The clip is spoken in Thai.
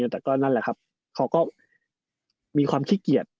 แต่ก็นั่นแหละครับเขาก็มีความขี้เกียจ